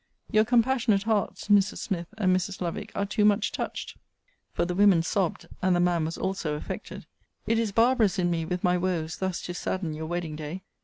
Your compassionate hearts, Mrs. Smith and Mrs. Lovick, are too much touched,' [For the women sobbed, and the man was also affected.] 'It is barbarous in me, with my woes, thus to sadden your wedding day.'